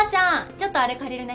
ちょっとあれ借りるね。